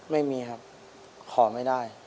ไม่มีครับขอไม่ได้